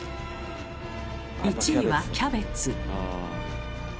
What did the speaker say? １位はキャベツ。